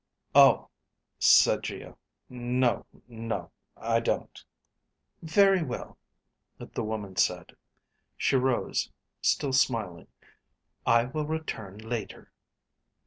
"Oh," said Geo. "No. No, I don't." "Very well," the woman said. She rose, still smiling. "I will return later."